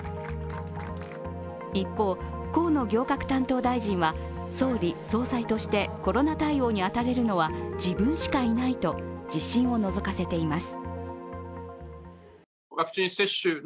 一方、河野行革担当大臣は総理・総裁としてコロナ対応に当たれるのは自分しかいないと自信をのぞかせています。